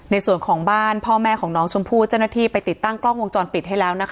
ในส่วนของบ้านพ่อแม่ของน้องชมภูดจะนาธิไปติดตั้งกรอกวงจรปิดให้แล้ว